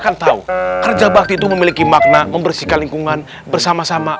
kan tahu kerja bakti itu memiliki makna membersihkan lingkungan bersama sama